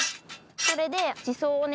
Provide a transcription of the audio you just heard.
これで地層をね